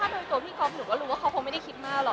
โดยตัวพี่ก๊อฟหนูก็รู้ว่าเขาคงไม่ได้คิดมากหรอก